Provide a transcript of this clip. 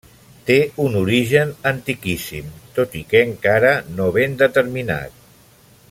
Té un origen antiquíssim, tot i que encara no ben determinat.